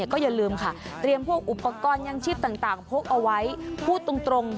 ก็อย่าลืมค่ะเตรียมพวกอุปกรณ์ยังชีพต่างพกเอาไว้พูดตรง